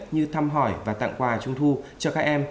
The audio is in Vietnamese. như thăm hỏi và tặng quà trung thu cho các em